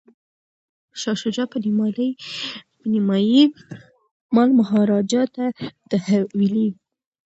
شاه شجاع به نیمایي مال مهاراجا ته تحویلوي.